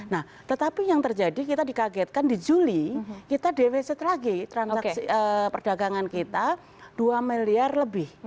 nah tetapi yang terjadi kita dikagetkan di juli kita defisit lagi transaksi perdagangan kita dua miliar lebih